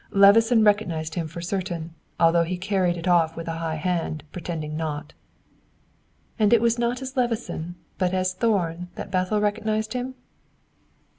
Levison recognized him for certain, although he carried it off with a high hand, pretending not." "And it was not as Levison, but as Thorn, that Bethel recognized him?"